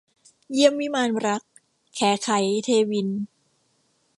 เยี่ยมวิมานรัก - แขไข เทวินทร์